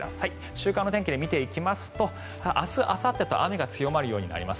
週間の天気で見ていくと明日あさってと雨が強まるようになります。